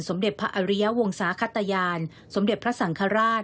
เด็จพระอริยวงศาขตยานสมเด็จพระสังฆราช